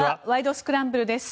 スクランブル」です。